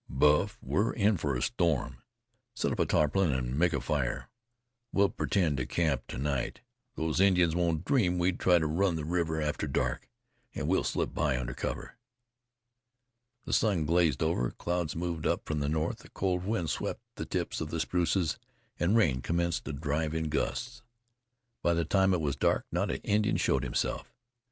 "Buff, we're in for a storm. Set up a tarpaulin an' make a fire. We'll pretend to camp to night. These Indians won't dream we'd try to run the river after dark, and we'll slip by under cover." The sun glazed over; clouds moved up from the north; a cold wind swept the tips of the spruces, and rain commenced to drive in gusts. By the time it was dark not an Indian showed himself.